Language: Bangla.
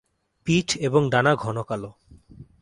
পিঠ এবং ডানা ঘন কালো।